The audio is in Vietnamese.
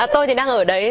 tôi thì đang ở đấy